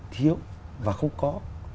thiếu và không có